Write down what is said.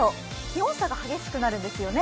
気温差が激しくなるんですよね？